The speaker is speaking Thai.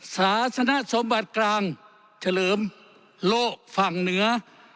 ศาสนสมบัติกลางเฉลิมโลกฝั่งเหนือ